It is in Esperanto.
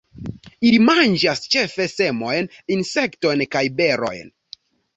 Ili manĝas ĉefe semojn, insektojn kaj berojn.